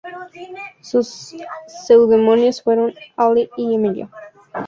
Sus seudónimos fueron "Alí" y "Emilio".